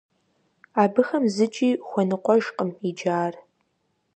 Абыхэм зыкӀи хуэныкъуэжкъым иджы ар.